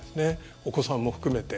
お子さんも含めて。